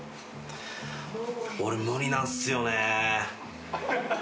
俺無理なんすよね。